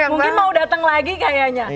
mungkin mau datang lagi kayaknya